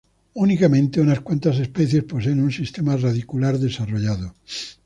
Únicamente unas cuantas especies poseen un sistema radicular desarrollado.